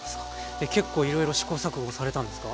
結構いろいろ試行錯誤されたんですか？